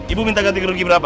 ibu minta ganti krugi berapa